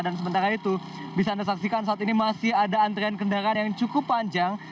dan sementara itu bisa anda saksikan saat ini masih ada antrean kendaraan yang cukup panjang